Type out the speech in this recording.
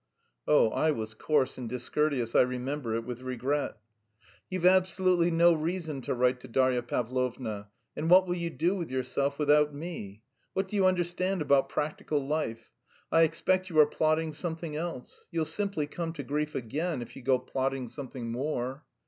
(Oh, I was coarse and discourteous, I remember it with regret.) "You've absolutely no reason to write to Darya Pavlovna... and what will you do with yourself without me? What do you understand about practical life? I expect you are plotting something else? You'll simply come to grief again if you go plotting something more...."